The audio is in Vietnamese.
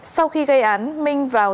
sau khi gây án minh vào